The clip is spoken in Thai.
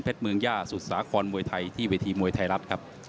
เมืองย่าสุดสาครมวยไทยที่เวทีมวยไทยรัฐครับ